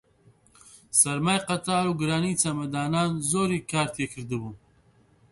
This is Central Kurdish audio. سەرمای قەتار و گرانی چەمەدانان زۆری کار تێ کردبووم